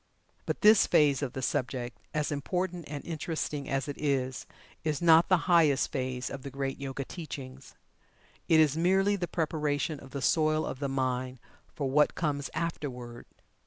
But this phase of the subject, as important and interesting as it is, is not the highest phase of the great Yoga teachings. It is merely the preparation of the soil of the mind for what comes afterward.